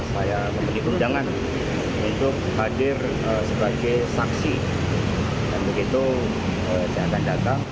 saya memiliki undangan untuk hadir sebagai saksi dan begitu saya akan datang